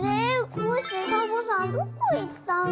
コッシーサボさんどこいったの？